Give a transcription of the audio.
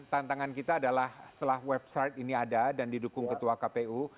tantangan kita adalah setelah website ini ada dan didukung ketua kpu